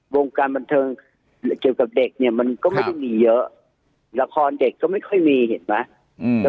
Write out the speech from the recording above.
วงการบันเทิงเกี่ยวกับเด็กเนี่ยมันก็ไม่ได้มีเยอะละครเด็กก็ไม่ค่อยมีเห็นไหมอืม